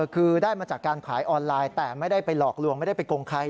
คือได้มาจากการขายออนไลน์แต่ไม่ได้ไปหลอกลวงไม่ได้ไปโกงใคร